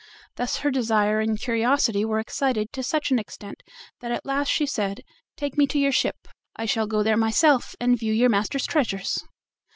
Thus her desire and curiosity were excited to such an extent that at last she said: "Take me to your ship; I shall go there myself and view your master's treasures."